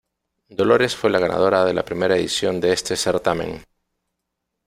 Dolores fue la ganadora de la primera edición de este certamen.